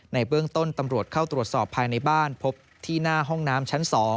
ในเบื้องต้นตำรวจเข้าตรวจสอบภายในบ้านพบที่หน้าห้องน้ำชั้น๒